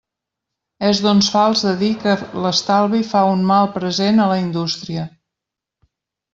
És, doncs, fals de dir que l'estalvi fa un mal present a la indústria.